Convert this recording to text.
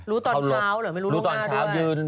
รู้ตอนเช้าหรอไม่รู้ต้องร้านด้วย